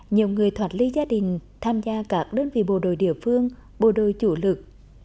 nhiều người thoạt lấy gia đình tham gia các đơn vị bộ đội địa phương bộ đội chủ lực